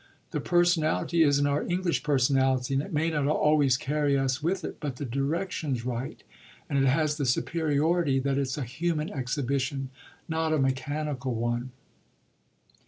The personality isn't our English personality and it may not always carry us with it; but the direction's right, and it has the superiority that it's a human exhibition, not a mechanical one."